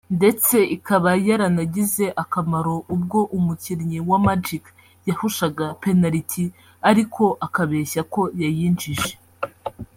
ndetse ikaba yaranagize akamaro ubwo umukinnyi wa magic yahushaga penaliti ariko akabeshya ko yayinjije